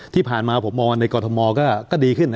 ที่ผ่านมาผมมองว่าในกรทมก็ดีขึ้น